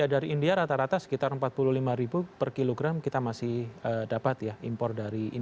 dari india rata rata sekitar rp empat puluh lima per kilogram kita masih dapat ya impor dari india